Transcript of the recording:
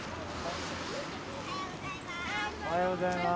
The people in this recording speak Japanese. おはようございます。